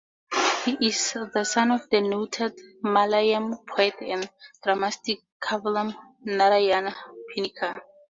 He is the son of the noted Malayalam poet and dramatist Kavalam Narayana Panicker.